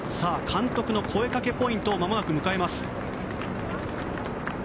監督の声かけポイントをまもなく迎えます。